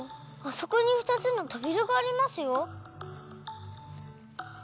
あそこにふたつのとびらがありますよ！